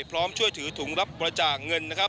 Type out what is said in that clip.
พร้อมช่วยถือถุงรับประจ่าเงิน